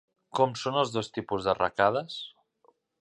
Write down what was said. Com són els dos tipus d'arracades?